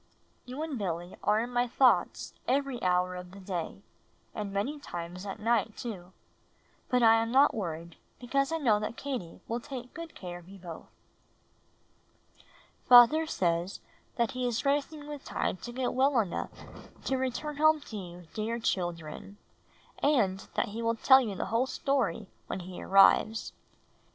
You and Billy are in my thoughts every hour of the day and many times at night, too; hut I am not worried because I know that: Katie will take good care of you both. called Dear Miry Frances, 126 Knitting and Crocheting Book Father says that he is racing with time to get well enough to return home to you dear children, and that he mil tell you the whole story when he arrives.